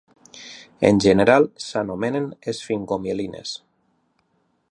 En general s'anomenen esfingomielines.